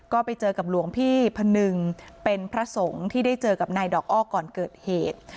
ก็ไปเจอกับหลวงพี่พนึงเป็นพระสงฆ์ที่ได้เจอกับนายดอกอ้อก่อนเกิดเหตุ